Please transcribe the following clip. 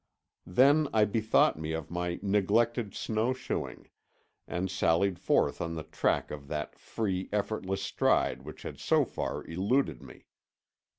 Then I bethought me of my neglected snowshoeing, and sallied forth on the track of that free, effortless stride which had so far eluded me.